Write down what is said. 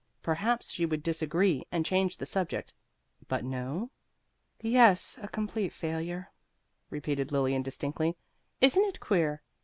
Perhaps she would disagree and change the subject. But no "Yes, a complete failure," repeated Lilian distinctly. "Isn't it queer?